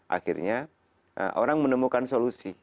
akhirnya orang menemukan solusi